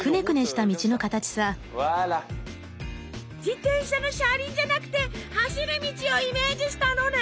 自転車の車輪じゃなくて走る道をイメージしたのね。